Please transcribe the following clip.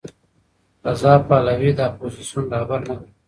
رضا پهلوي د اپوزېسیون رهبر نه ګڼي.